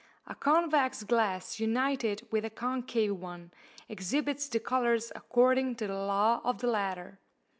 A convex glass united with a concave one exhibits the colours according to the law of the latter.